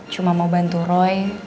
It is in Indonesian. cuma mau bantu roy